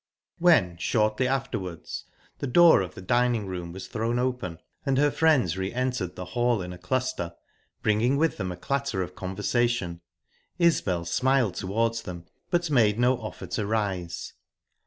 When, shortly afterwards, the door of the dining room was thrown open and her friends re entered the hall in a cluster, bringing with them a clatter of conversation, Isbel smiled towards them, but made no offer to rise.